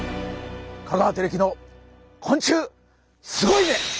香川照之の「昆虫すごいぜ！」。